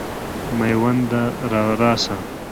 مېونده راسه.